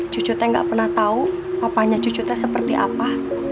cucu teh gak pernah tau papanya cucu teh seperti apa